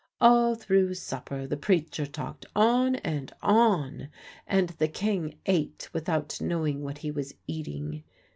All through supper the preacher talked on and on, and the King ate without knowing what he was eating.